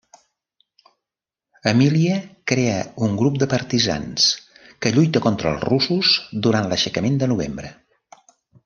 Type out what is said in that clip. Emília crea un grup de partisans que lluita contra els russos durant l'Aixecament de Novembre.